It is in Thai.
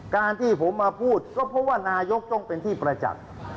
การที่ผมมาพูดก็เพราะว่านายกต้องเป็นที่ประจักษ์